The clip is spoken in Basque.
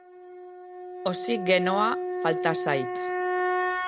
Oxigenoa falta zait.